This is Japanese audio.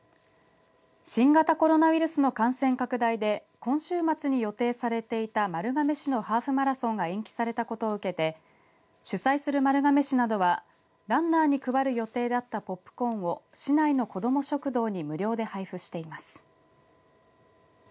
新型コロナウイルスの感染拡大で今週末に予定されていた丸亀市のハーフマラソンが延期されたことを受けて主催する丸亀市などはランナーに配る予定だったポップコーンを市内の子ども食堂に無料で配布しています。